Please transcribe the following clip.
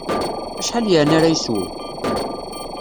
Acḥal yeɛni ara yeswu?